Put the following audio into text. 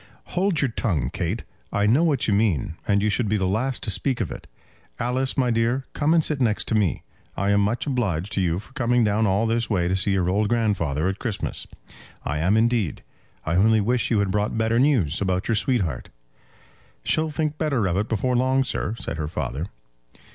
"Hold your tongue, Kate. I know what you mean, and you should be the last to speak of it. Alice, my dear, come and sit next to me. I am much obliged to you for coming down all this way to see your old grandfather at Christmas. I am indeed. I only wish you had brought better news about your sweetheart." "She'll think better of it before long, sir," said her father.